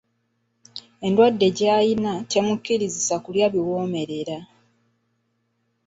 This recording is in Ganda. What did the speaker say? Enddwadde gy'alina temukkirizisa kulya biwoomerera.